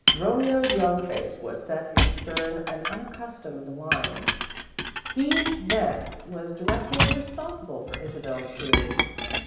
Romeo's young face was set in stern and unaccustomed lines. He, then, was directly responsible for Isabel's tears.